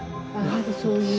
そういう。